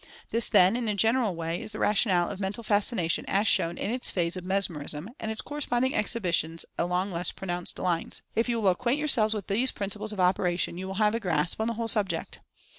This, then, in a general way, is the rationale of Mental Fascination as shown in its phase of Mes merism, and its corresponding exhibitions along less pronounced lines. If you will acquaint yourselves with these principles of operation, you will have a grasp on the whole subject.